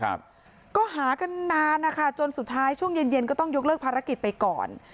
ครับก็หากันนานนะคะจนสุดท้ายช่วงเย็นเย็นก็ต้องยกเลิกภารกิจไปก่อน